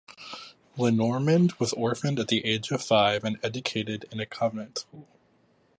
Lenormand was orphaned at the age of five and educated in a convent school.